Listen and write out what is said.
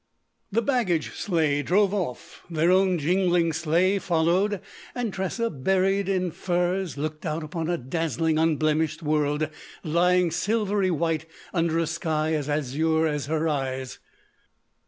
The baggage sleigh drove off. Their own jingling sleigh followed; and Tressa, buried in furs, looked out upon a dazzling, unblemished world, lying silvery white under a sky as azure as her eyes.